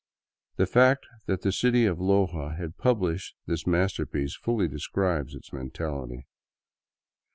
The fact that the city of Loja had published this mas terpiece fully describes its mentality.